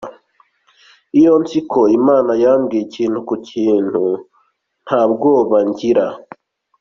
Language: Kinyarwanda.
Iyo nzi ko Imana yambwiye ikintu ku kintu, nta bwoba ngira”.